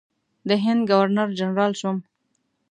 د هند ګورنر جنرال شوم.